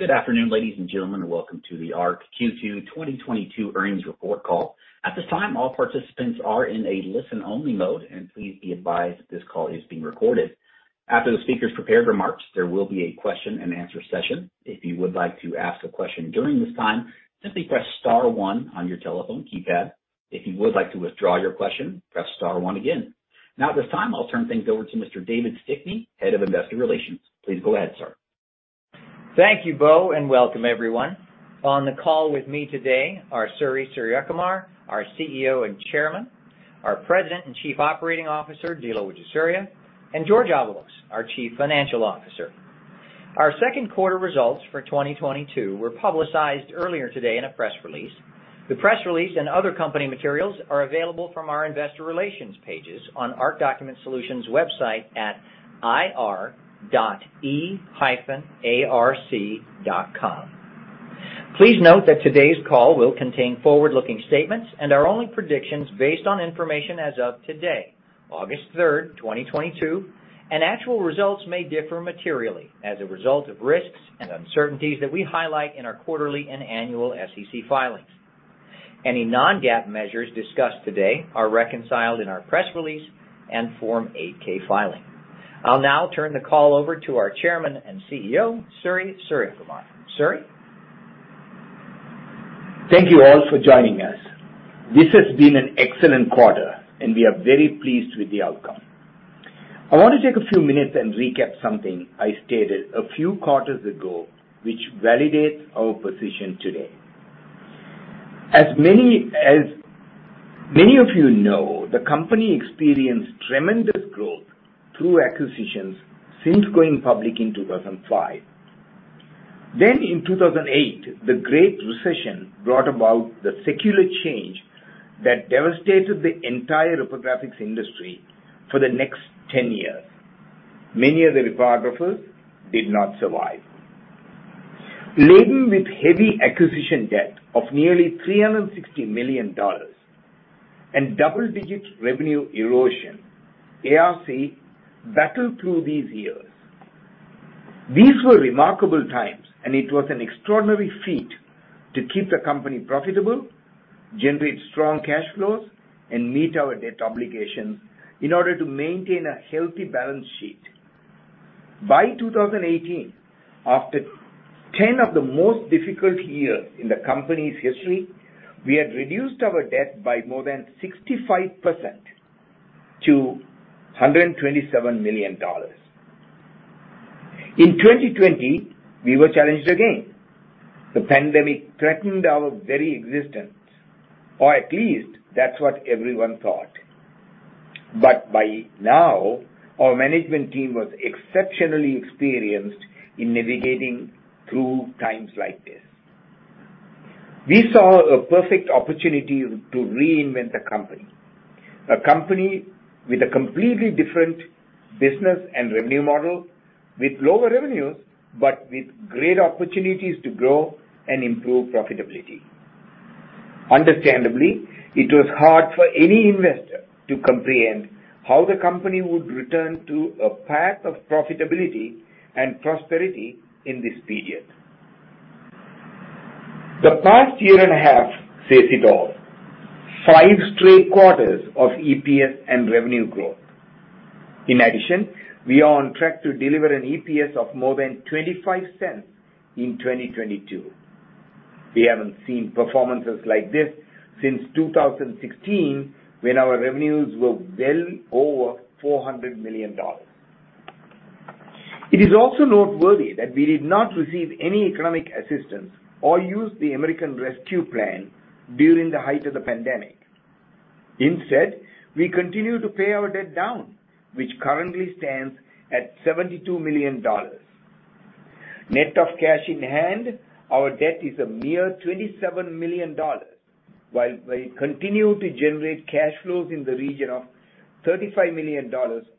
Good afternoon, ladies and gentlemen. Welcome to the ARC Q2 2022 earnings report call. At this time, all participants are in a listen-only mode. Please be advised this call is being recorded. After the speaker's prepared remarks, there will be a question-and-answer session. If you would like to ask a question during this time, simply press star one on your telephone keypad. If you would like to withdraw your question, press star one again. Now at this time, I'll turn things over to Mr. David Stickney, head of investor relations. Please go ahead, sir. Thank you, Bo, and welcome everyone. On the call with me today are Suri Suriyakumar, our CEO and Chairman, our President and Chief Operating Officer, Dilo Wijesuriya, and Jorge Avalos, our Chief Financial Officer. Our second quarter results for 2022 were publicized earlier today in a press release. The press release and other company materials are available from our investor relations pages on ARC Document Solutions website at ir.e-arc.com. Please note that today's call will contain forward-looking statements and are only predictions based on information as of today, August 3rd, 2022, and actual results may differ materially as a result of risks and uncertainties that we highlight in our quarterly and annual SEC filings. Any non-GAAP measures discussed today are reconciled in our press release and Form 8-K filing. I'll now turn the call over to our Chairman and CEO, Suri Suriyakumar. Suri? Thank you all for joining us. This has been an excellent quarter, and we are very pleased with the outcome. I want to take a few minutes and recap something I stated a few quarters ago, which validates our position today. As many of you know, the company experienced tremendous growth through acquisitions since going public in 2005. In 2008, the Great Recession brought about the secular change that devastated the entire reprographics industry for the next 10 years. Many of the reprographers did not survive. Laden with heavy acquisition debt of nearly $360 million and double-digit revenue erosion, ARC battled through these years. These were remarkable, and it was an extraordinary feat to keep the company profitable, generate strong cash flows, and meet our debt obligations in order to maintain a healthy balance sheet. By 2018, after 10 of the most difficult years in the company's history, we had reduced our debt by more than 65% to $127 million. In 2020, we were challenged again. The pandemic threatened our very existence, or at least that's what everyone thought. By now, our management team was exceptionally experienced in navigating through times like this. We saw a perfect opportunity to reinvent the company. A company with a completely different business and revenue model with lower revenues, but with great opportunities to grow and improve profitability. Understandably, it was hard for any investor to comprehend how the company would return to a path of profitability and prosperity in this period. The past year and a half says it all. Five straight quarters of EPS and revenue growth. In addition, we are on track to deliver an EPS of more than $0.25 in 2022. We haven't seen performances like this since 2016 when our revenues were well over $400 million. It is also noteworthy that we did not receive any economic assistance or use the American Rescue Plan during the height of the pandemic. Instead, we continued to pay our debt down, which currently stands at $72 million. Net of cash in hand, our debt is a mere $27 million, while we continue to generate cash flows in the region of $35 million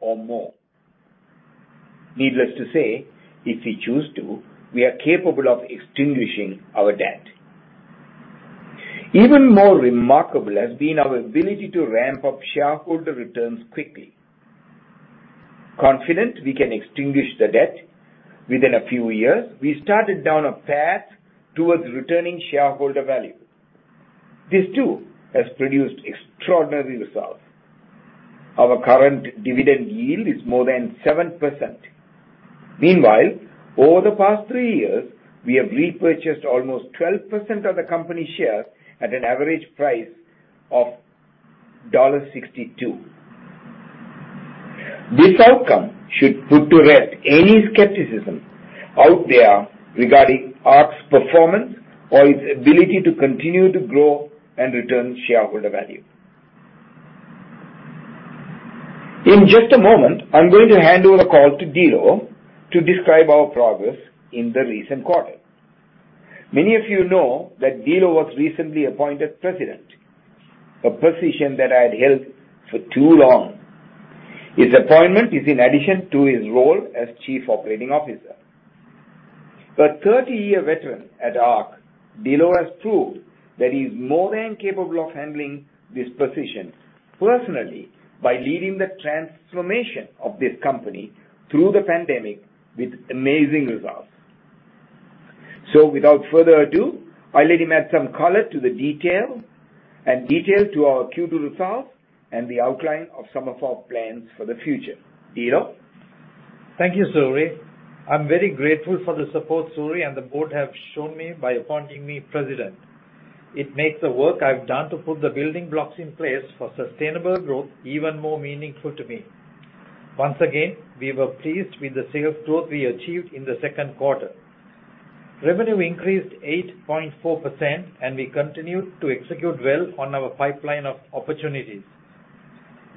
or more. Needless to say, if we choose to, we are capable of extinguishing our debt. Even more remarkable has been our ability to ramp up shareholder returns quickly. Confident we can extinguish the debt within a few years, we started down a path towards returning shareholder value. This too has produced extraordinary results. Our current dividend yield is more than 7%. Meanwhile, over the past three years, we have repurchased almost 12% of the company shares at an average price of $62. This outcome should put to rest any skepticism out there regarding ARC's performance or its ability to continue to grow and return shareholder value. In just a moment, I'm going to hand over the call to Dilo to describe our progress in the recent quarter. Many of you know that Dilo was recently appointed president, a position that I had held for too long. His appointment is in addition to his role as chief operating officer. A 30-year veteran at ARC, Dilo has proved that he's more than capable of handling this position personally by leading the transformation of this company through the pandemic with amazing results. Without further ado, I'll let him add some color to the detail, and detail to our Q2 results and the outline of some of our plans for the future. Dilo. Thank you, Suri. I'm very grateful for the support Suri and the board have shown me by appointing me president. It makes the work I've done to put the building blocks in place for sustainable growth even more meaningful to me. Once again, we were pleased with the sales growth we achieved in the second quarter. Revenue increased 8.4%, and we continued to execute well on our pipeline of opportunities.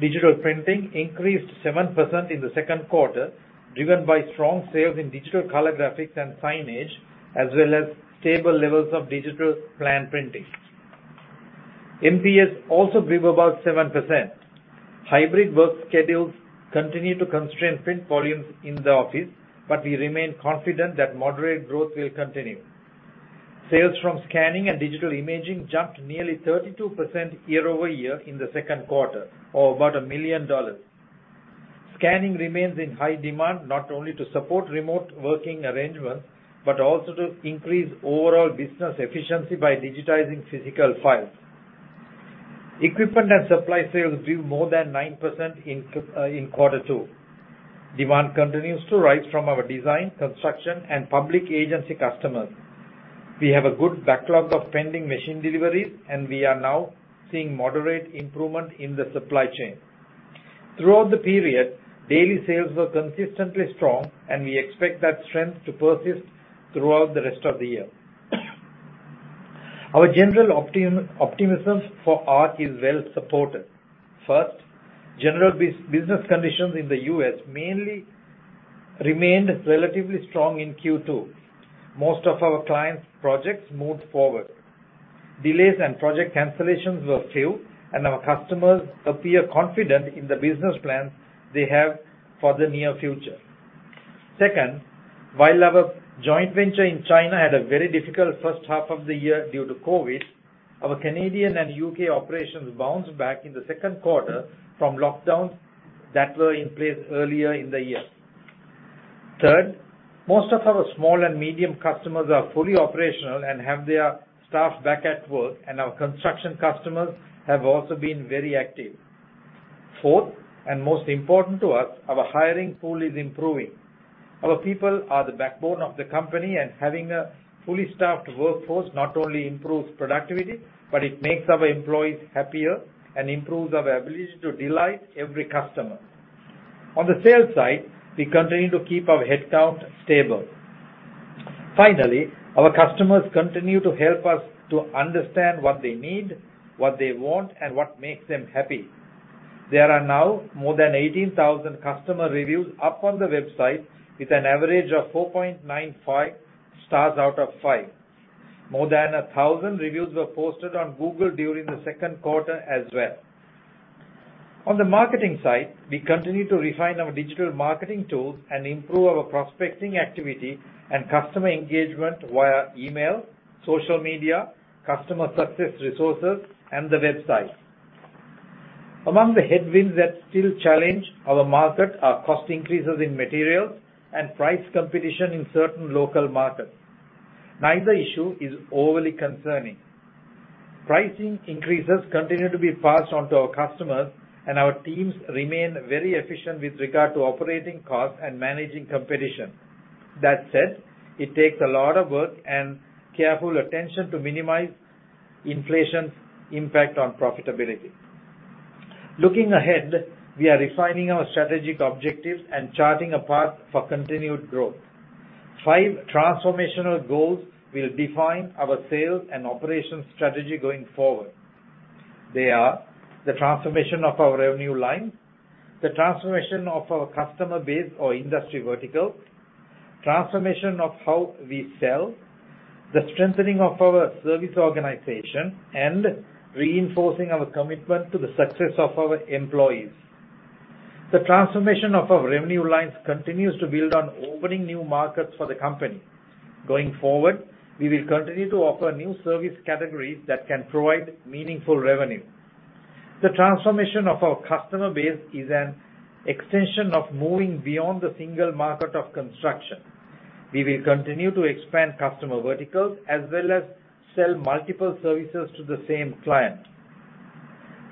Digital printing increased 7% in the second quarter, driven by strong sales in digital color graphics and signage, as well as stable levels of digital plan printing. MPS also grew about 7%. Hybrid work schedules continue to constrain print volumes in the office, but we remain confident that moderate growth will continue. Sales from scanning and digital imaging jumped nearly 32% year-over-year in the second quarter, or about $1 million. Scanning remains in high demand, not only to support remote working arrangements, but also to increase overall business efficiency by digitizing physical files. Equipment and supply sales grew more than 9% in quarter two. Demand continues to rise from our design, construction, and public agency customers. We have a good backlog of pending machine deliveries, and we are now seeing moderate improvement in the supply chain. Throughout the period, daily sales were consistently strong, and we expect that strength to persist throughout the rest of the year. Our general optimism for ARC is well supported. First, general business conditions in the U.S. mainly remained relatively strong in Q2. Most of our clients' projects moved forward. Delays and project cancellations were few, and our customers appear confident in the business plans they have for the near future. Second, while our joint venture in China had a very difficult first half of the year due to COVID, our Canadian and U.K. operations bounced back in the second quarter from lockdowns that were in place earlier in the year. Third, most of our small and medium customers are fully operational and have their staff back at work, and our construction customers have also been very active. Fourth, and most important to us, our hiring pool is improving. Our people are the backbone of the company, and having a fully staffed workforce not only improves productivity, but it makes our employees happier and improves our ability to delight every customer. On the sales side, we continue to keep our headcount stable. Finally, our customers continue to help us to understand what they need, what they want, and what makes them happy. There are now more than 18,000 customer reviews up on the website with an average of 4.95 stars out of five. More than 1,000 reviews were posted on Google during the second quarter as well. On the marketing side, we continue to refine our digital marketing tools and improve our prospecting activity and customer engagement via email, social media, customer success resources, and the website. Among the headwinds that still challenge our market are cost increases in materials and price competition in certain local markets. Neither issue is overly concerning. Pricing increases continue to be passed on to our customers, and our teams remain very efficient with regard to operating costs and managing competition. That said, it takes a lot of work and careful attention to minimize inflation's impact on profitability. Looking ahead, we are refining our strategic objectives and charting a path for continued growth. Five transformational goals will define our sales and operations strategy going forward. They are the transformation of our revenue line, the transformation of our customer base or industry vertical, transformation of how we sell, the strengthening of our service organization, and reinforcing our commitment to the success of our employees. The transformation of our revenue lines continues to build on opening new markets for the company. Going forward, we will continue to offer new service categories that can provide meaningful revenue. The transformation of our customer base is an extension of moving beyond the single market of construction. We will continue to expand customer verticals as well as sell multiple services to the same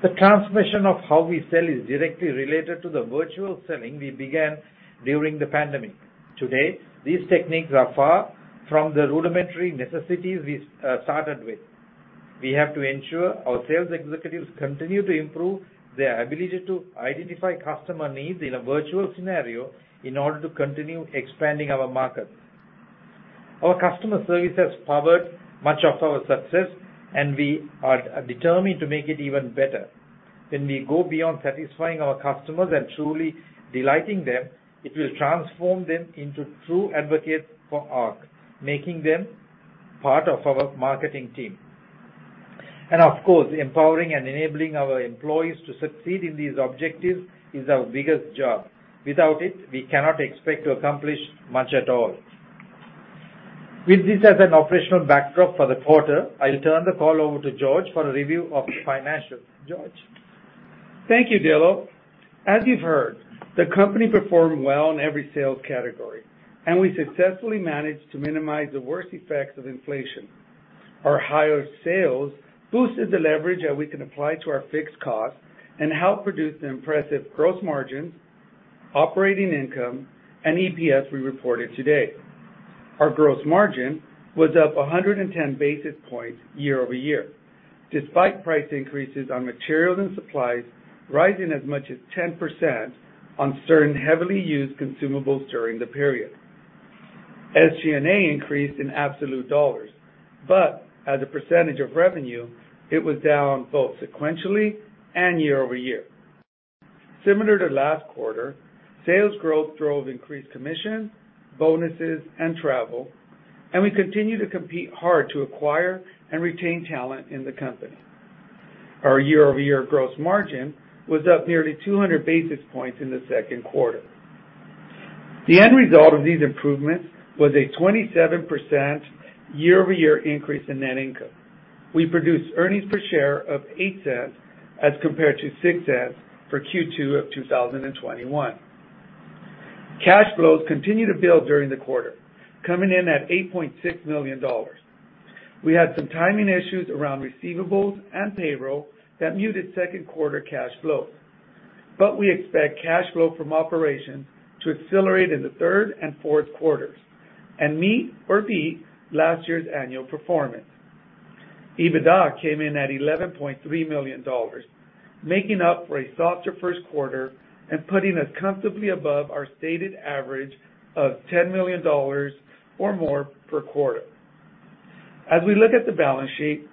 client. The transformation of how we sell is directly related to the virtual selling we began during the pandemic. Today, these techniques are far from the rudimentary necessities we started with. We have to ensure our sales executives continue to improve their ability to identify customer needs in a virtual scenario in order to continue expanding our markets. Our customer service has powered much of our success, and we are determined to make it even better. When we go beyond satisfying our customers and truly delighting them, it will transform them into true advocates for ARC, making them part of our marketing team. Of course, empowering and enabling our employees to succeed in these objectives is our biggest job. Without it, we cannot expect to accomplish much at all. With this as an operational backdrop for the quarter, I'll turn the call over to Jorge Avalos for a review of the financials. Jorge Avalos? Thank you, Dilo. As you've heard, the company performed well in every sales category, and we successfully managed to minimize the worst effects of inflation. Our higher sales boosted the leverage that we can apply to our fixed costs and help produce the impressive growth margins, operating income, and EPS we reported today. Our gross margin was up 110 basis points year-over-year, despite price increases on materials and supplies rising as much as 10% on certain heavily used consumables during the period. SG&A increased in absolute dollars, but as a percentage of revenue, it was down both sequentially and year-over-year. Similar to last quarter, sales growth drove increased commission, bonuses, and travel, and we continue to compete hard to acquire and retain talent in the company. Our year-over-year gross margin was up nearly 200 basis points in the second quarter. The end result of these improvements was a 27% year-over-year increase in net income. We produced earnings per share of $0.08 as compared to $0.06 for Q2 of 2021. Cash flows continued to build during the quarter, coming in at $8.6 million. We had some timing issues around receivables and payroll that muted second quarter cash flow. We expect cash flow from operations to accelerate in the third and fourth quarters and meet or beat last year's annual performance. EBITDA came in at $11.3 million, making up for a softer first quarter and putting us comfortably above our stated average of $10 million or more per quarter. As we look at the balance sheet,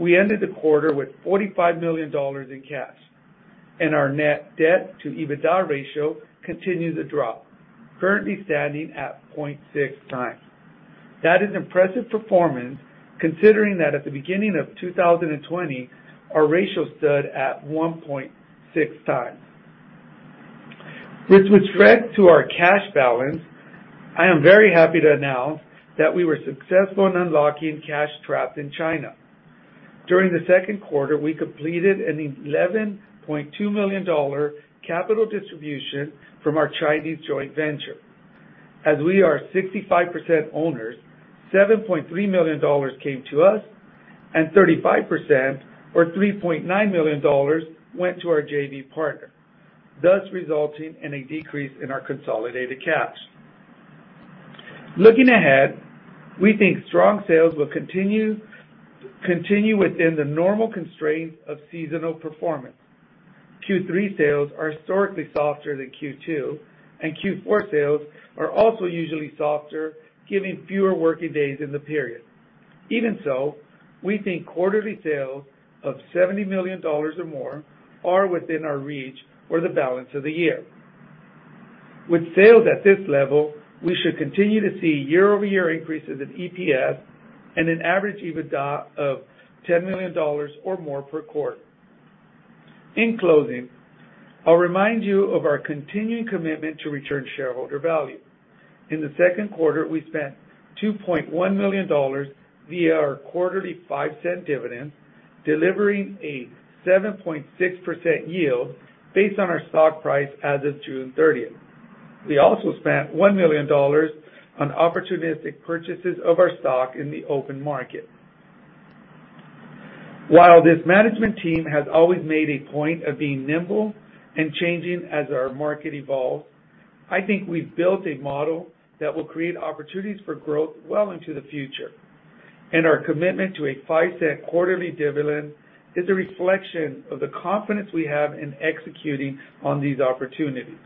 we ended the quarter with $45 million in cash, and our net debt to EBITDA ratio continues to drop, currently standing at 0.6x. That is impressive performance considering that at the beginning of 2020, our ratio stood at 1.6x. This was added to our cash balance. I am very happy to announce that we were successful in unlocking cash trapped in China. During the second quarter, we completed an $11.2 million capital distribution from our Chinese joint venture. As we are 65% owners, $7.3 million came to us, and 35% or $3.9 million went to our JV partner, thus resulting in a decrease in our consolidated cash. Looking ahead, we think strong sales will continue within the normal constraints of seasonal performance. Q3 sales are historically softer than Q2, and Q4 sales are also usually softer, giving fewer working days in the period. Even so, we think quarterly sales of $70 million or more are within our reach for the balance of the year. With sales at this level, we should continue to see year-over-year increases in EPS and an average EBITDA of $10 million or more per quarter. In closing, I'll remind you of our continuing commitment to return shareholder value. In the second quarter, we spent $2.1 million via our quarterly $0.05 dividend, delivering a 7.6% yield based on our stock price as of June thirtieth. We also spent $1 million on opportunistic purchases of our stock in the open market. While this management team has always made a point of being nimble and changing as our market evolves, I think we've built a model that will create opportunities for growth well into the future, and our commitment to a $0.05 quarterly dividend is a reflection of the confidence we have in executing on these opportunities.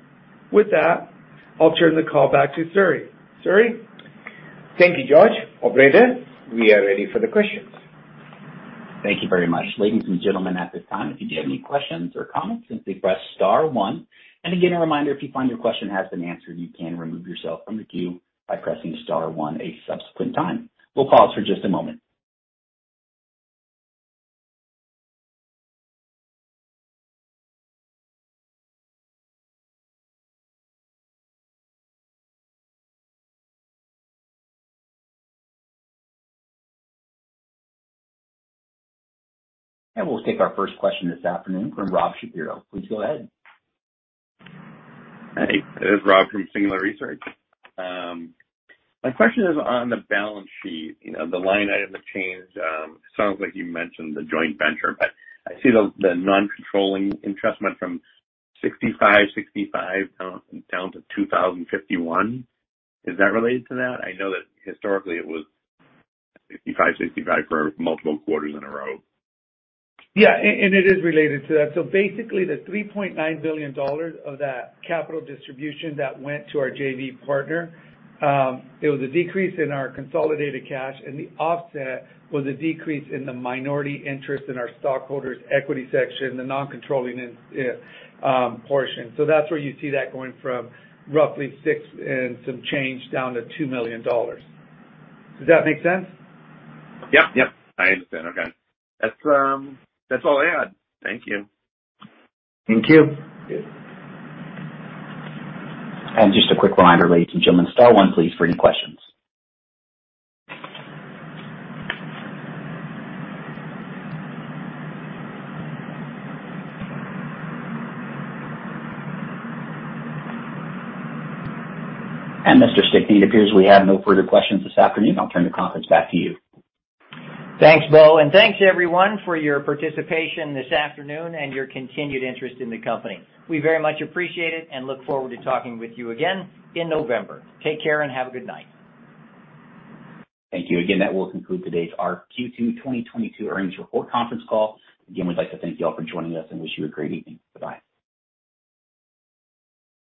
With that, I'll turn the call back to Suri. Suri? Thank you, Jorge. Operator, we are ready for the questions. Thank you very much. Ladies and gentlemen, at this time, if you do have any questions or comments, simply press star one. Again, a reminder, if you find your question has been answered, you can remove yourself from the queue by pressing star one a subsequent time. We'll pause for just a moment. We'll take our first question this afternoon from Robert Maltbie. Please go ahead. Hey, it is Rob from Singular Research. My question is on the balance sheet, you know, the line item that changed. It sounds like you mentioned the joint venture, but I see the non-controlling interest went from $65 down to $2,051. Is that related to that? I know that historically it was $65 for multiple quarters in a row. Yeah. It is related to that. Basically the $3.9 billion of that capital distribution that went to our JV partner, it was a decrease in our consolidated cash, and the offset was a decrease in the minority interest in our stockholders' equity section, the non-controlling portion. That's where you see that going from roughly $6 million and some change down to $2 million. Does that make sense? Yep. Yep, I understand. Okay. That's all I had. Thank you. Thank you. Just a quick reminder, ladies and gentlemen, star one please for any questions. Mr. Stickney, it appears we have no further questions this afternoon. I'll turn the conference back to you. Thanks, Bo. Thanks everyone for your participation this afternoon and your continued interest in the company. We very much appreciate it and look forward to talking with you again in November. Take care and have a good night. Thank you. Again, that will conclude today's Q2 2022 earnings report conference call. Again, we'd like to thank you all for joining us and wish you a great evening. Bye-bye.